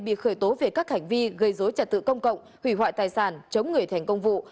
bị khởi tố về các hành vi gây dối trật tự công cộng hủy hoại tài sản chống người thành công vụ